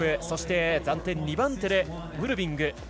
そして暫定２番手でウルビング。